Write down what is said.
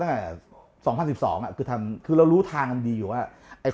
ที่ทั้งฐานดีอยู่